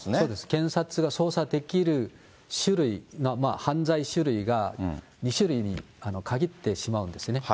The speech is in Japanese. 検察が捜査できる種類、犯罪種類が２種類に限ってしまうんですね。